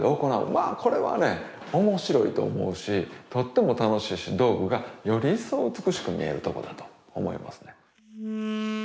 まあこれはね面白いと思うしとっても楽しいし道具がより一層美しく見えるとこだと思いますね。